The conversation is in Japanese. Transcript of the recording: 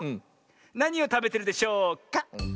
なにをたべてるでしょうか？